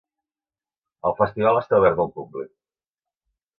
El Festival està obert al públic.